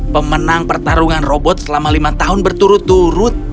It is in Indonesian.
pemenang pertarungan robot selama lima tahun berturut turut